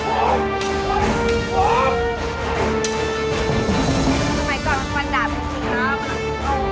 โอ้นี่